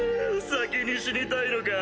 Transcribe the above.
先に死にたいのか？